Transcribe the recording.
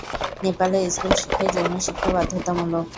নেপালে স্কুল শিক্ষায় যৌন শিক্ষা বাধ্যতামূলক।